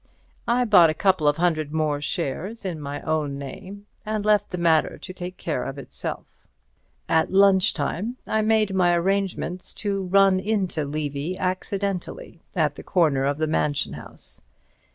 I bought a couple of hundred more shares in my own name, and left the matter to take care of itself. At lunch time I made my arrangements to run into Levy accidentally at the corner of the Mansion House.